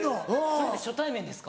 それって初対面ですか？